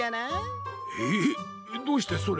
えっどうしてそれを。